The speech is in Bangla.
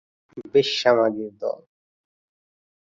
বেশ্যা মাগির দল!